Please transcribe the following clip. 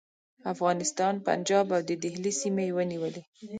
افغانستان، پنجاب او د دهلي سیمې یې ونیولې.